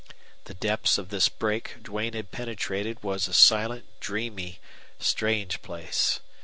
The depths of this brake Duane had penetrated was a silent, dreamy, strange place.